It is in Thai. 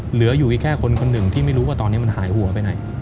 เหลืออยู่อีกแค่คนคนหนึ่งที่ไม่รู้ว่าตอนนี้มันหายหัวไปไหน